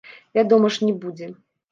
Вядома ж, не будзе.